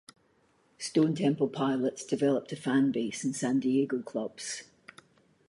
Stone Temple Pilots developed a fan base in San Diego clubs.